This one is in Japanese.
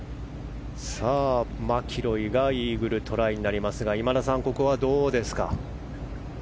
マキロイがイーグルトライになりますが今田さん、ここはどうですか？